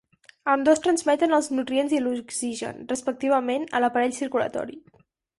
Ambdós transmeten els nutrients i l'oxigen, respectivament, a l'aparell circulatori.